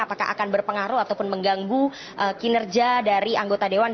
apakah akan berpengaruh ataupun mengganggu kinerja dari anggota dewan